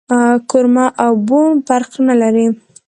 کورمه او بوڼ فرق نه لري